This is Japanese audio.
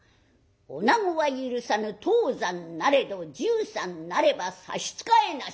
「女子は許さぬ当山なれど１３なれば差し支えなし。